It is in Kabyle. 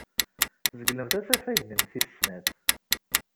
Tzeglemt asafag-nni n tis snat.